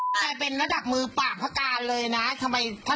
เรียบร้อยเหลือแล้วทั้งความปากอ่ะ